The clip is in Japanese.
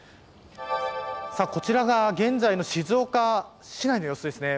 こちらが現在の静岡市内の様子です。